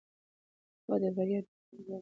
پوهه د بریا او نېکمرغۍ یوازینۍ لاره ده.